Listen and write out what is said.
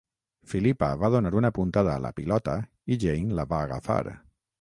Philippa va donar una puntada a la pilota, i Jane la va agafar.